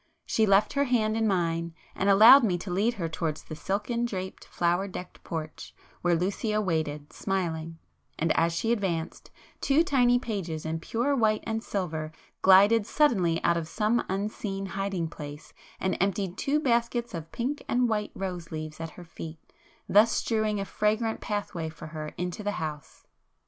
She left her hand in mine, and allowed me to lead her towards the silken draped, flower decked porch, where Lucio waited, smiling,—and as she advanced, two tiny pages in pure white and silver glided suddenly out of some unseen hiding place, and emptied two baskets of pink and white rose leaves at her feet, thus strewing a fragrant pathway for her into the house.